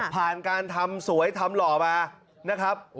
ผ่านการทำสวยทำหล่อมานะครับ